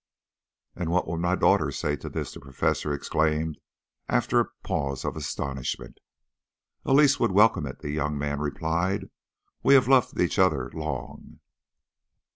"And what would my daughter say to this?" the Professor exclaimed, after a pause of astonishment. "Elise would welcome it," the young man replied. "We have loved each other long."